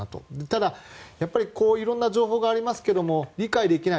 ただ、色んな情報がありますけど理解できない